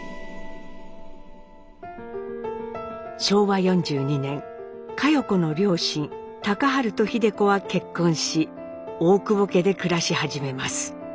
昭和４２年佳代子の両親隆治と秀子は結婚し大久保家で暮らし始めます。